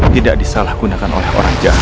tidak disalahgunakan oleh orang jahat